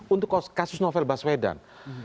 untuk kasus novel baswedan